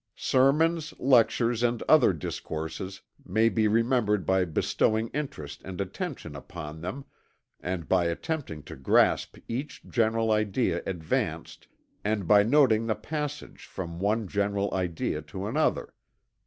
Sermons, lectures and other discourses may be remembered by bestowing interest and attention upon them, and by attempting to grasp each general idea advanced, and by noting the passage from one general idea to another.